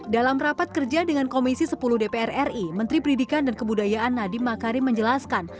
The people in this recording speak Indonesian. dalam rapat kerja dengan komisi sepuluh dpr ri menteri pendidikan dan kebudayaan nadiem makarim menjelaskan